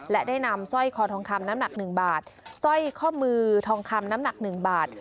และได้นำสร้อยคอทองคำน้ำหนัก๑บาทสร้อยข้อมือทองคำน้ำหนัก๑บาท